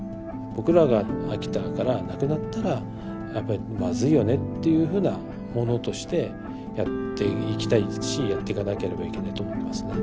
僕らが秋田からなくなったらやっぱりまずいよねっていうふうなものとしてやっていきたいですしやっていかなければいけないと思いますね。